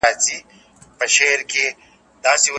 زده کړه د مادي اړیکو نشتوالی په اسانۍ جبیره کوي.